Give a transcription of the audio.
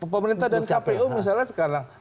pemerintah dan kpu misalnya sekarang